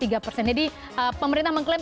jadi pemerintah mengklaim